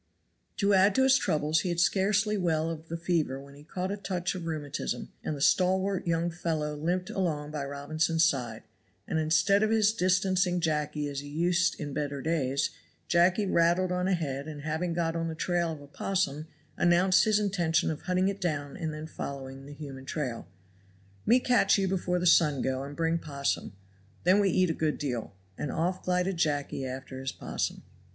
To add to his troubles he was scarcely well of the fever when he caught a touch of rheumatism; and the stalwart young fellow limped along by Robinson's side, and instead of his distancing Jacky as he used in better days, Jacky rattled on ahead and having got on the trail of an opossum announced his intention of hunting it down and then following the human trail. "Me catch you before the sun go, and bring opossum then we eat a good deal." And off glided Jacky after his opossum.